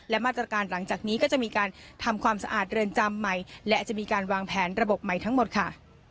และมาตรการหลังจากนี้ก็จะมีการทำความสะอาดเรือนจำใหม่และจะมีการวางแผนระบบใหม่ทั้งหมดค่ะ